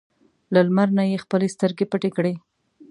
له لمر نه یې خپلې سترګې پټې کړې.